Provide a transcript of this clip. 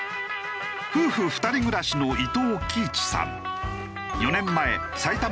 夫婦２人暮らしの伊藤貴一さん。